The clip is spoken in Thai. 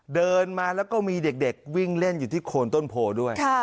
เดินมาแล้วก็มีเด็กวิ่งเล่นอยู่ที่โคนต้นโพด้วย